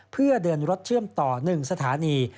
เพื่อเดินรถเชื่อมต่อ๑สถานี